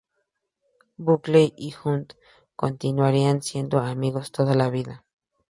Buckley y Hunt continuarían siendo amigos toda la vida.